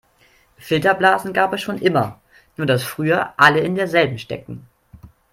Filterblasen gab es schon immer, nur das früher alle in der selben steckten.